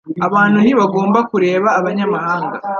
Abantu ntibagomba kureba abanyamahanga.